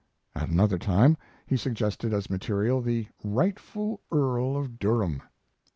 At another time he suggested as material the "Rightful Earl of Durham."